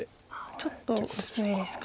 ちょっと薄いですか。